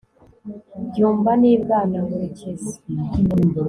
Byumba ni Bwana MUREKEZI